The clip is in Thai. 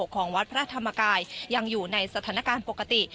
ของวัดพระธรรมกายยังอยู่ในสถานการณ์ปกติ